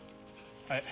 はい。